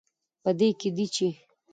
په دې کې دی، چې